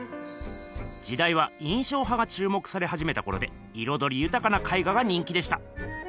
じだいは印象派がちゅう目されはじめたころでいろどりゆたかな絵画が人気でした。